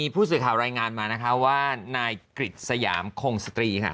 พูดสื่อขยะไหลงานมาว่านายกริดสยามโคนิสตรีข้า